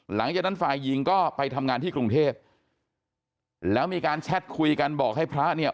หลังจากนั้นฝ่ายหญิงก็ไปทำงานที่กรุงเทพแล้วมีการแชทคุยกันบอกให้พระเนี่ย